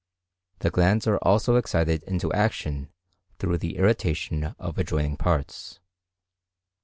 The glands are also excited into action through the irritation of adjoining parts.